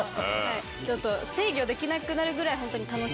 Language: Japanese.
ちょっと制御できなくなるぐらいホントに。